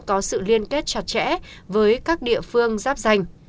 có sự liên kết chặt chẽ với các địa phương giáp danh